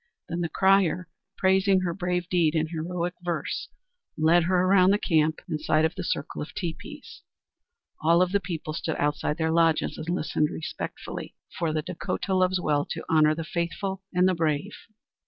Then the crier, praising her brave deed in heroic verse, led her around the camp, inside of the circle of teepees. All the people stood outside their lodges and listened respectfully, for the Dakota loves well to honor the faithful and the brave.